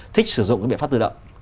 thích sử dụng cái biện pháp tự động